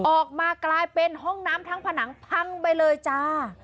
ออกมากลายเป็นห้องน้ำทั้งผนังพังไปเลยจ้า